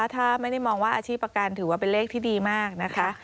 ถ้าไม่ได้มองว่าอาชีพประกันถือว่าเป็นเลขที่ดีมากนะคะ